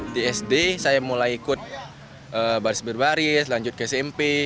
di sd saya mulai ikut baris baris lanjut ke smp